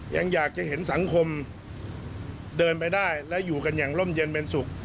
ยังอยากจะเห็นสังคมเดินไปได้และอยู่กันอย่างร่มเย็นเป็นสุข